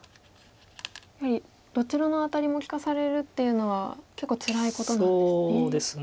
やはりどちらのアタリも利かされるっていうのは結構つらいことなんですね。